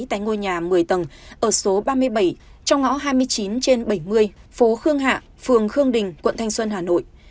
tại ngôi nhà một mươi tầng ở số ba mươi bảy trong ngõ hai mươi chín trên bảy mươi phố khương hạ phường khương đình quận thanh xuân hà nội